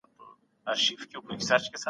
په خپل زړه یې د دانې پر لور ګزر سو